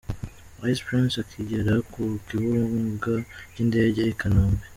Ice Prince akigera ku kibuga cy'indege i Kanombe.